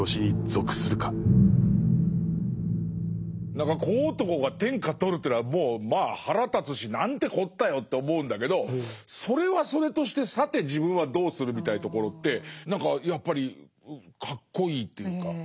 何か小男が天下取るというのはもうまあ腹立つしなんてこったよと思うんだけどそれはそれとしてさて自分はどうするみたいなところって何かやっぱりかっこいいっていうか。